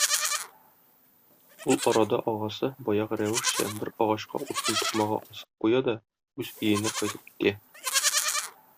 Ул арада агасы, баягы рәвешчә, бер агачка утын тукмагы асып куя да үзе өенә кайтып китә.